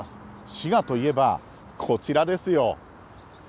滋賀といえば、こちらですよ。